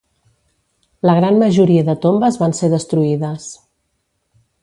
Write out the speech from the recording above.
La gran majoria de tombes van ser destruïdes.